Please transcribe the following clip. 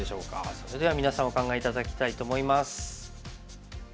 それでは皆さんお考え頂きたいと思います。